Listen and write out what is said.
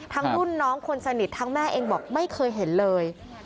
รุ่นน้องคนสนิททั้งแม่เองบอกไม่เคยเห็นเลย